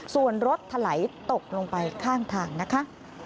ส่วนรถถลายตกลงไปข้างทางนะคะ